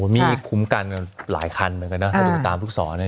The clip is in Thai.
มีคุ้มกันหลายคันเหมือนกันนะถ้าดูตามลูกศรเนี่ย